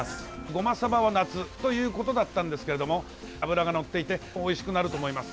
ゴマサバは夏ということだったんですけれども脂がのっていておいしくなると思います。